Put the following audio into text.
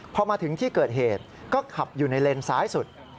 พอมาถึงที่เกิดเหตุก็ขับอยู่ในเลนซ้ายสุด